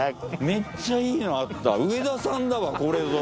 めっちゃイイのあった上田さんだわこれぞ。